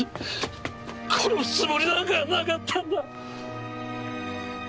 殺すつもりなんかなかったんだ！